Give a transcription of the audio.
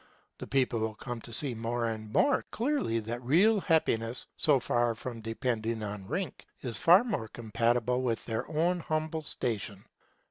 The people will come to see more and more clearly that real happiness, so far from depending on rank, is far more compatible with their own humble station.